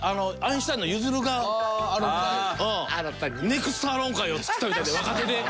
ネクストアローン会を作ったみたいで若手で。